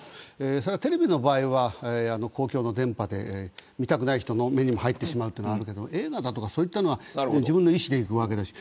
テレビの場合は公共の電波で見たくない人の目にも入ってしまうけど映画だと自分の意思で行くわけだし。